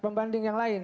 ya pembanding yang lain